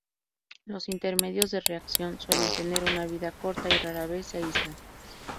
Los intermedios de reacción suelen tener una vida corta y rara vez se aíslan.